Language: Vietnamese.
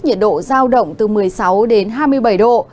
nhiệt độ giao động từ một mươi sáu đến hai mươi bảy độ